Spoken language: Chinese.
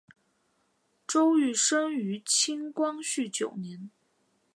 周珏生于清光绪九年。